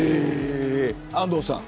安藤さん。